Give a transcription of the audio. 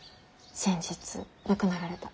先日亡くなられた。